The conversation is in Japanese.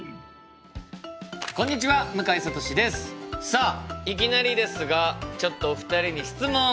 さあいきなりですがちょっとお二人に質問！